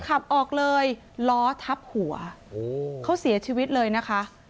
ขับออกเลยล้อทับหัวเขาเสียชีวิตเลยนะคะ